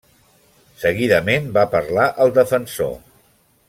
Seguidament va parlar el defensor.